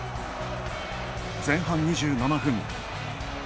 前半２７分。